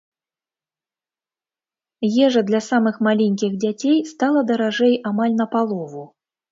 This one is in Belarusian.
Ежа для самых маленькіх дзяцей стала даражэй амаль на палову.